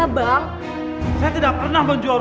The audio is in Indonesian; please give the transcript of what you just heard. ibu akan dapat bagian satu x dua meter